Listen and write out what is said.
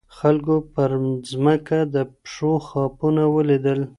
خلګو پر ځمکه د پښو خاپونه ولیدل.